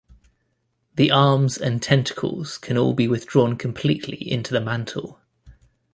The arms and tentacles can all be withdrawn completely into the mantle.